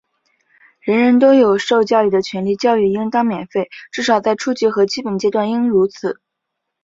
人人都有受教育的权利,教育应当免费,至少在初级和基本阶段应如此。